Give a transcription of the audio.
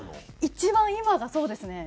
一番今がそうですね。